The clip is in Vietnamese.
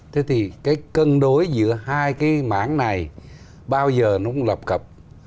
thế thì cái cân đối giữa hai cái mảng này bao giờ nó cũng lập cập